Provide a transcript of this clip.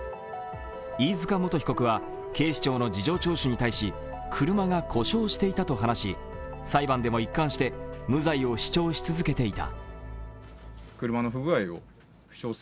飯塚元被告は警視庁の事情聴取に対し、車が故障していたと話し裁判でも一貫して無罪を主張し続けていた。